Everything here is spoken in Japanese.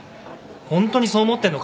ホントにそう思ってんのかよ。